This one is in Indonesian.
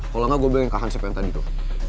kalau gak gue beli yang kahan si pen tadi tuh